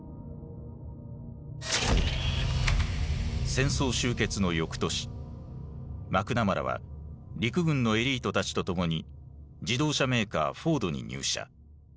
戦争終結の翌年マクナマラは陸軍のエリートたちと共に自動車メーカーフォードに入社。